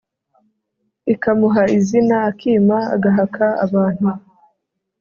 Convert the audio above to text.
ikamuha izina akima agahaka abantu